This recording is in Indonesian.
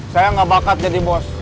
saya gak bakat jadi bos